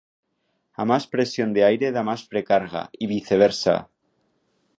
A más presión de aire da más precarga, y viceversa.